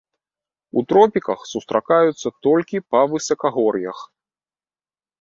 У тропіках сустракаюцца толькі па высакагор'ях.